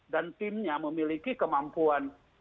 dan timnya memiliki kemampuan